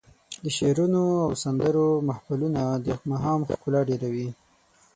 د شعرونو او سندرو محفلونه د ماښام ښکلا ډېروي.